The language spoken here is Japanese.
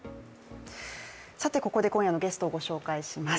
今夜のゲストをご紹介します。